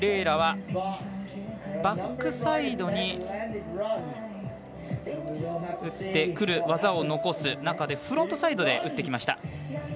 楽はバックサイドに打ってくる技を残す中でフロントサイドで打ってきました。